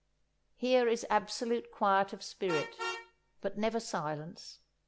Here is absolute quiet of spirit, but never silence.